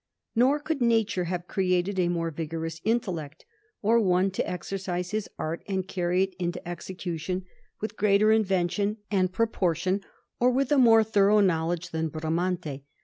Nor could nature have created a more vigorous intellect, or one to exercise his art and carry it into execution with greater invention and proportion, or with a more thorough knowledge, than Bramante.